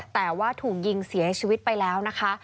แต่ว่าถูกยิงเสียชีวิตไปแล้วนะคะ